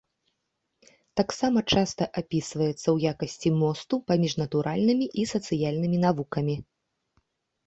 Таксама часта апісваецца ў якасці мосту паміж натуральнымі і сацыяльнымі навукамі.